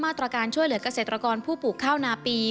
มาตรการช่วยเหลือกเกษตรกรผู้ปลูกข้าวนาปี